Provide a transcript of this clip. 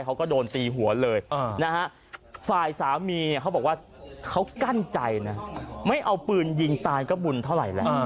เขาก็โดนตีหัวเลยนะฮะฝ่ายสามีเขาบอกว่าเขากั้นใจนะไม่เอาปืนยิงตายก็บุญเท่าไหร่แหละ